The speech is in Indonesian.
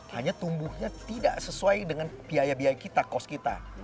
hanya tumbuhnya tidak sesuai dengan biaya biaya kita cost kita